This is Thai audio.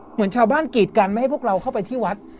เหมือนชาวบ้านกรีดกันไม่ให้พวกเราเข้าไปที่วัด